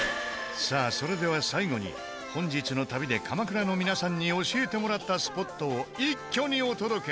さあそれでは最後に本日の旅で鎌倉の皆さんに教えてもらったスポットを一挙にお届け！